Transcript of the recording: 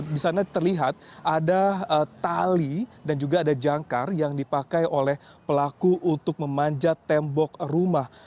di sana terlihat ada tali dan juga ada jangkar yang dipakai oleh pelaku untuk memanjat tembok rumah